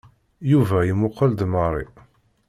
Yuba imuqel-d Mary.